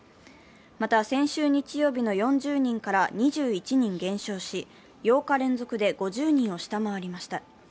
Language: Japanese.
また先週日曜日の４０人から２１人減少し、８日連続で５０人を下回りました。